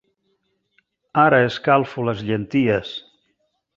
Ara escalfo les llenties.